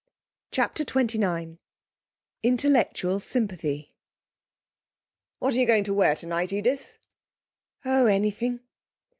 CHAPTER XXIX Intellectual Sympathy 'What are you going to wear tonight, Edith?' 'Oh; anything!'